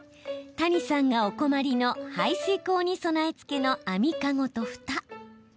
谷さんがお困りの排水口に備え付けの網かごとふた。